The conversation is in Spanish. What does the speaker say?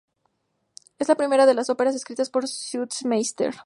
Es la primera de las óperas escritas por Sutermeister.